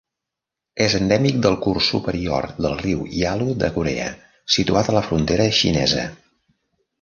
És endèmic del curs superior del riu Yalu de Corea, situat a la frontera xinesa.